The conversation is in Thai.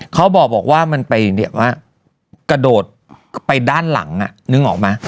เขาบอกว่ามันไปกระโดดไปด้านหลังนึกออกไหม